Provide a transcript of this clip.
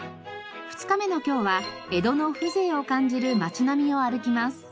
２日目の今日は江戸の風情を感じる町並みを歩きます。